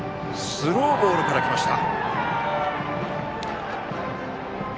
スローボールから来ました。